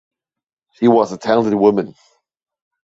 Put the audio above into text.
She was a talented woman